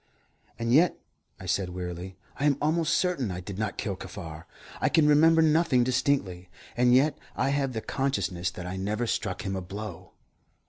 "And yet," I said wearily, "I am almost certain I did not kill Kaffar. I can remember nothing distinctly, and yet I have the consciousness that I never struck him a blow."